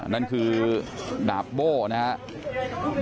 นั่นคือดาบโบ้นะครับ